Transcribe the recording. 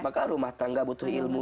maka rumah tangga butuh ilmu